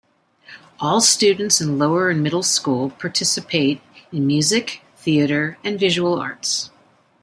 All students in lower and middle school participate in music, theater, and visual arts.